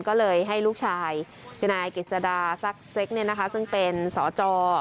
ก็เลยให้ลูกชายเจนายเกษตราซักเซกเนี่ยนะคะซึ่งเป็นสอจอ